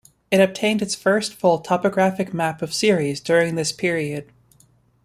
It obtained its first full topographic map of Ceres during this period.